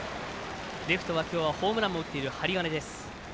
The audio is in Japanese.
レフトは今日ホームランも打っている針金です。